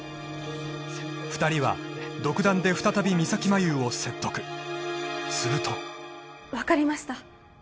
２人は独断で再び三咲麻有を説得すると分かりました